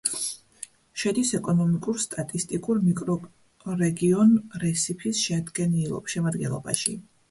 შედის ეკონომიკურ-სტატისტიკურ მიკრორეგიონ რესიფის შემადგენლობაში.